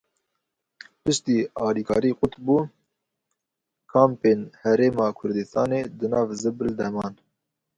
Piştî alîkarî qut bû, kampên Herêma Kurdistanê di nav zibil de man.